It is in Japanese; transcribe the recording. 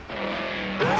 あ！